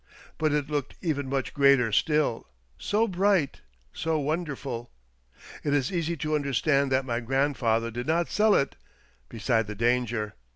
" But it looked even much greater still, so bright, so wonderful ! It is easy to understand that my grandfather did not sell it — beside the dans^er.